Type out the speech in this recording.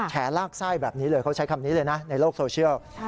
ลากไส้แบบนี้เลยเขาใช้คำนี้เลยนะในโลกโซเชียล